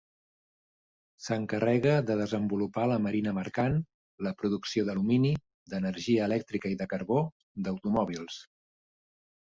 S'encarrega de desenvolupar la marina mercant, la producció d'alumini, d'energia elèctrica i de carbó, d'automòbils.